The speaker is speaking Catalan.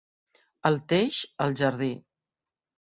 El teix al jardí.